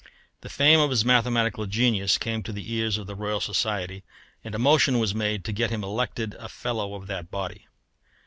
The fame of his mathematical genius came to the ears of the Royal Society, and a motion was made to get him elected a fellow of that body.